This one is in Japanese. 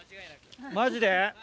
マジで？